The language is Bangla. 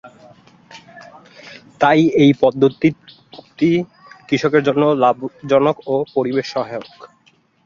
তাই এই পদ্ধতি কৃষকের জন্য লাভজনক ও পরিবেশ সহায়ক।